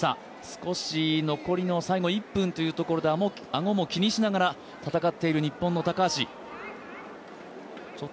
少し、残りの最後１分というところで顎も気にしながら戦っている日本の高橋。